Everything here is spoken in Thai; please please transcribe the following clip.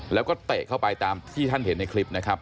แล้วก็เตะเข้าไปตามที่ท่านเห็นในคลิปนะครับ